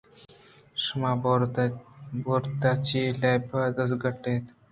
شُما بورتاچی ءِ لیب ءَ دزگٹّ اِت اِت۔